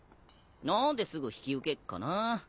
何ですぐ引き受けっかな。